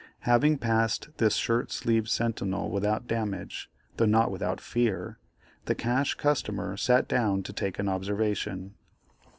Having passed this shirt sleeved sentinel without damage, though not without fear, the Cash Customer sat down to take an observation.